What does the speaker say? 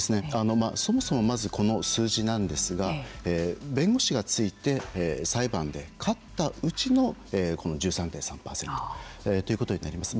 そもそも、まずこの数字なんですが弁護士がついて裁判で勝ったうちのこの１３．３％ということになります。